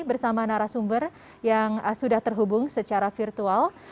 bersama narasumber yang sudah terhubung secara virtual